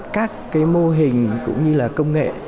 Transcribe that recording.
các cái mô hình cũng như là công nghệ